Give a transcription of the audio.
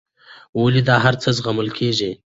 ولې دا هرڅه زغمل کېږي.